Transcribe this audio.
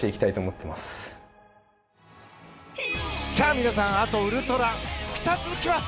皆さん、あとウルトラ２つきます！